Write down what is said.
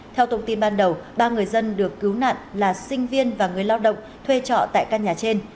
theo thông tin ban đầu ba người dân được cứu nạn là sinh viên và người lao động thuê trọ tại căn nhà trên